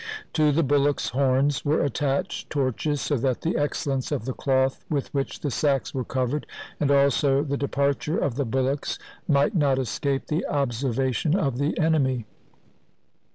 To the bullocks' horns were attached torches, so that the excellence of the cloth with which the sacks were covered, and also the depar ture of the bullocks might not escape the observation of the enemy.